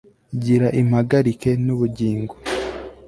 gira impagarike n'ubugingo